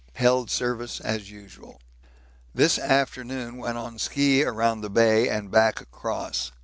Held Service as usual. This afternoon went on ski around the bay and back across.